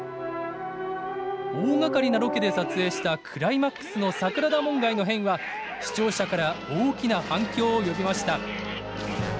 大がかりなロケで撮影したクライマックスの桜田門外の変は視聴者から大きな反響を呼びました。